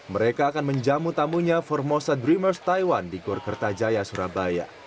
mereka akan menjamu tamunya formosa dreamers taiwan di kortajaya surabaya